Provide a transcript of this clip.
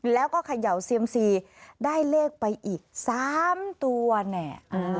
แล้วก็เขย่าเซียมซีได้เลขไปอีก๓ตัวแน่